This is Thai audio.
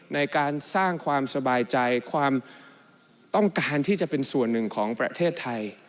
ในการสร้างความสบายใจความต้องการที่จะเป็นส่วนหนึ่งของประเทศไทย